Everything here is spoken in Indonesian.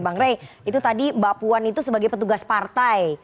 bang rey itu tadi mbak puan itu sebagai petugas partai